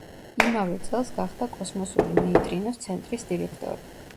იმავე წელს გახდა კოსმოსური ნეიტრინოს ცენტრის დირექტორი.